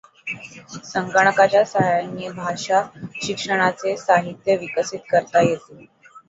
संगणकाच्या सहाय्याने भाषा शिक्षणाचे साहित्य विकसित करता येते.